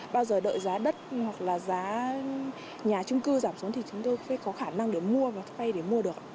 bao giờ đợi giá đất hoặc là giá nhà trung cư giảm xuống thì chúng tôi phải có khả năng để mua và thuê để mua được